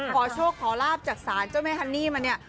ขอโชคขอลาบจากศาลเจ้าแม่ฮันนี่มาเนี่ย